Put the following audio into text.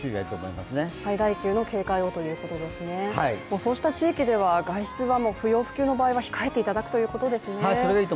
そうした地域では外出は不要不急の場合は控えていただくということですね。